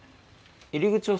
「入り口を」。